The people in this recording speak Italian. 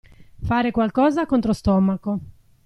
Fare qualcosa contro stomaco.